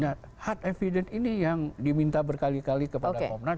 nah hard evidence ini yang diminta berkali kali kepada komnas